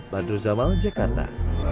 badruz zawal jakarta